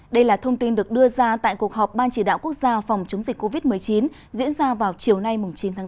đây là thông tin được đưa ra tại cuộc họp ban chỉ đạo quốc gia phòng chống dịch covid một mươi chín diễn ra vào chiều nay chín tháng bốn